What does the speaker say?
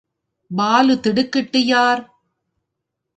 பாலு திடுக்கிட்டு யார்?